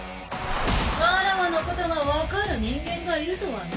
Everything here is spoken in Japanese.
わらわのことが分かる人間がいるとはな。